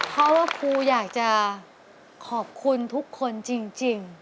เพราะว่าปูอยากจะขอบคุณทุกคนจริง